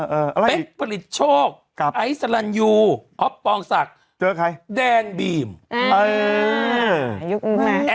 เออเอออะไรเป๊กผลิตโชคกับไอซาลันยูออฟปองสักเจอใครแดงบีมเอออ่า